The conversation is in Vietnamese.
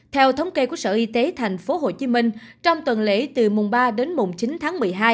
theo thống kê của sở y tế tp hcm trong tuần lễ từ mùng ba đến mùng chín tháng một mươi hai